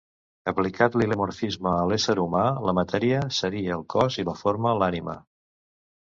Aplicat l'hilemorfisme a l'ésser humà, la matèria seria el cos i la forma, l'ànima.